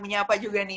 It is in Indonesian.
menyapa juga nih